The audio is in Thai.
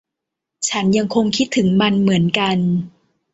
ฉันยังคงคิดถึงมันเหมือนกัน